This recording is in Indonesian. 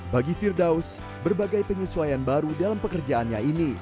bagi firdaus berbagai penyesuaian baru dalam pekerjaannya ini